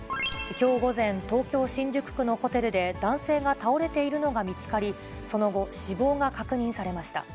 きょう午前、東京・新宿区のホテルで、男性が倒れているのが見つかり、その後、死亡が確認されました。